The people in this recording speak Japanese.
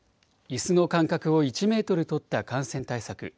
いすの間隔を１メートル取った感染対策。